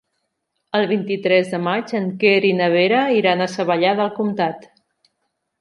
El vint-i-tres de maig en Quer i na Vera iran a Savallà del Comtat.